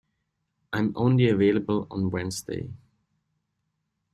I am only available on Wednesday.